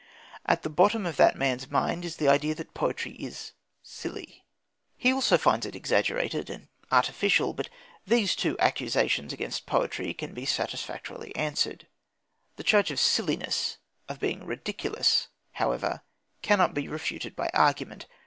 At the bottom of that man's mind is the idea that poetry is "silly." He also finds it exaggerated and artificial; but these two accusations against poetry can be satisfactorily answered. The charge of silliness, of being ridiculous, however, cannot be refuted by argument.